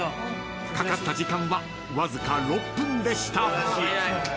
［かかった時間はわずか６分でした］